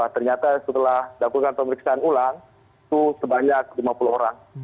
ternyata setelah dilakukan pemeriksaan ulang itu sebanyak lima puluh orang